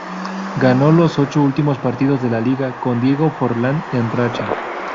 Ganó los ocho últimos partidos de la Liga, con Diego Forlán en racha.